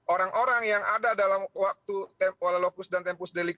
orang orang yang ada dalam waktu kuala lokus dan tempus delik